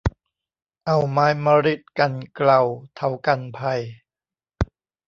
เอาไม้มะริดกันเกลาเถากันภัย